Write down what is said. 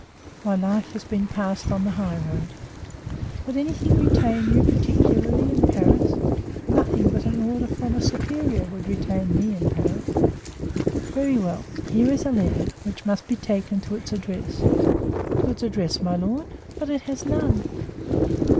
"My life has been passed on the high road." "Would anything retain you particularly in Paris?" "Nothing but an order from a superior would retain me in Paris." "Very well. Here is a letter, which must be taken to its address." "To its address, my lord? But it has none."